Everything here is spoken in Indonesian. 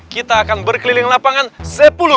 kita akan berkeliling lapangan sepuluh